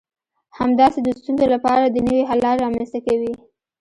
همداسې د ستونزو لپاره د نوي حل لارې رامنځته کوي.